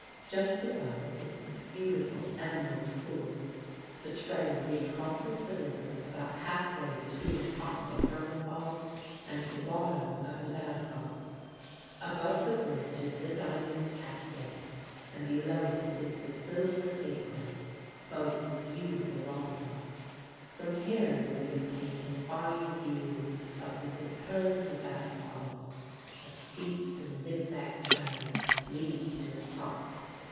Just above is the beautiful Emerald Pool. The trail recrosses the river about half way between the top of Vernal Falls and the bottom of Nevada Falls. Above the bridge is the Diamond Cascade, and below it is the Silver Apron, both beautiful waterfalls. From here may be obtained a fine view of the superb Nevada Falls. A steep and zig zag trail leads to its top.